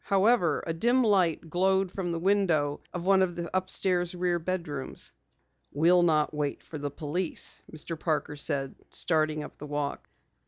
However, a dim light glowed from the windows of one of the upstairs, rear bedrooms. "We'll not wait for the police," Mr. Parker said, starting up the walk.